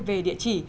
về địa chỉ